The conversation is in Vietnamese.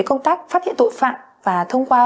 công tác phát hiện tội phạm và thông qua